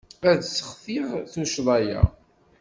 Ad sseɣtiɣ tuccḍa-ya.